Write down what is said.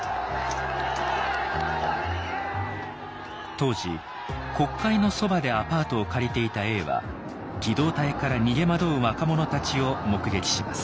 当時国会のそばでアパートを借りていた永は機動隊から逃げ惑う若者たちを目撃します。